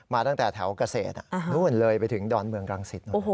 มาตั้งแต่แถวเกษตรนู่นเลยไปถึงดอนเมืองรังสิต